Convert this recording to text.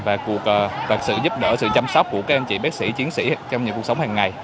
và sự giúp đỡ sự chăm sóc của các anh chị bác sĩ chiến sĩ trong những cuộc sống hàng ngày